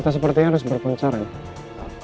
kita sepertinya harus berpengaruh